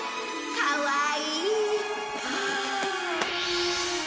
かわいい。